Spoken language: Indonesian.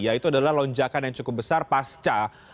yaitu adalah lonjakan yang cukup besar pasca